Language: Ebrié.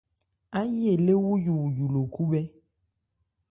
Áyí elé wúyúwuyu lo khúbhɛ́.